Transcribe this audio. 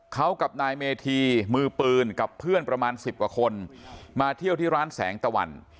เขากับนายเมธีมือปืนกับเพื่อนประมาณ๑๐กว่าคนมาเที่ยวที่ร้านแสงตะวัน